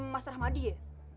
mas rahmadi ya